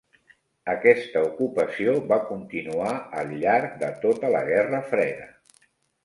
Aquesta ocupació va continuar al llarg de tota la Guerra Freda.